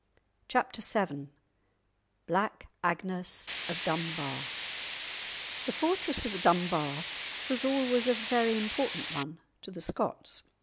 *Chapter VII* *Black Agnes of Dunbar* The fortress of Dunbar was always a very important one to the Scots.